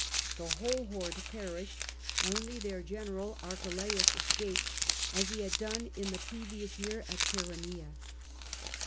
The whole horde perished : only their general Archelaus escaped, as he had done in the previous year at Chaeronea.